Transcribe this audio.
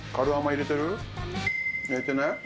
入れてない？